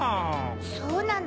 そうなの。